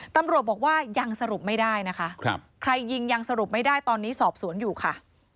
ตำรวจบอกว่ายังสรุปไม่ได้นะคะใครยิงยังสรุปไม่ได้ตอนนี้สอบสวนอยู่ค่ะ